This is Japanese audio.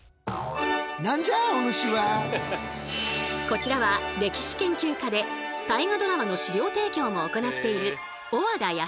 こちらは歴史研究家で「大河ドラマ」の資料提供も行っている